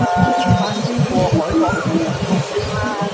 八仙過海各顯神通